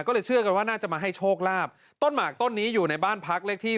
ก็เลยเชื่อกันว่าน่าจะมาให้โชคลาภต้นหมากต้นนี้อยู่ในบ้านพักเลขที่